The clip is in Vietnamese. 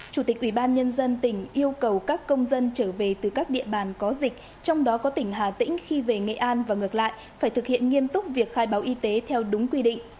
chủ tịch ủy ban nhân dân tỉnh yêu cầu các công dân trở về từ các địa bàn có dịch trong đó có tỉnh hà tĩnh khi về nghệ an và ngược lại phải thực hiện nghiêm túc việc khai báo y tế theo đúng quy định